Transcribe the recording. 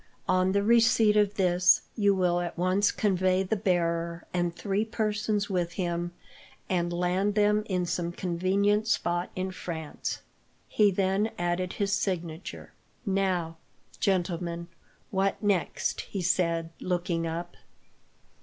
On the receipt of this, you will at once convey the bearer, and three persons with him, and land them in some convenient spot in France. He then added his signature. "Now, gentlemen, what next?" he said, looking up.